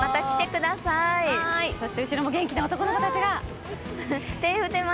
そして後ろの元気な男の子たちが！